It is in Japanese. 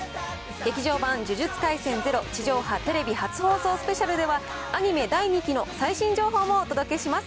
劇場版呪術廻戦０、地上波テレビ初放送スペシャルでは、アニメ第２期の最新情報もお届けします。